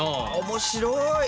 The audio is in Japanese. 面白い。